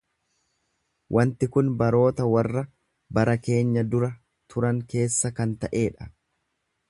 Wanti kun baroota warra bara keenya dura turan keessa kan ta'ee dha;